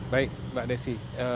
baik mbak desi